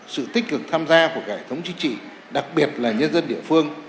sự tích cực tham gia của cải thống chính trị đặc biệt là nhân dân địa phương